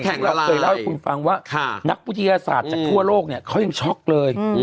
เขาเคยเล่าให้คุณฟังว่านักบุธิศาสตร์จากทั่วโลกเขายังช็อกเลย